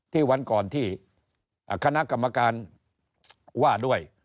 วันก่อนที่คณะกรรมการว่าด้วย